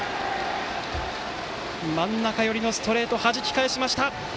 真ん中寄りのストレートをはじき返しました。